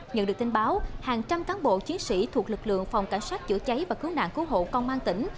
nhận được tin báo hàng trăm cán bộ chiến sĩ thuộc lực lượng phòng cảnh sát chữa cháy và cứu nạn cứu hộ công an tỉnh